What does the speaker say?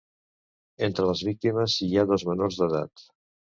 Entre les víctimes hi ha dos menors d’edat.